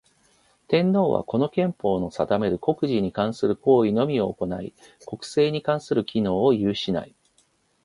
天皇は、この憲法の定める国事に関する行為のみを行ひ、国政に関する権能を有しない。